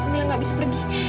mila gak bisa pergi